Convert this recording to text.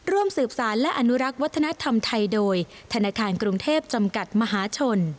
ร่วมสืบสารและอนุรักษ์วัฒนธรรมไทยโดยธนาคารกรุงเทพจำกัดมหาชน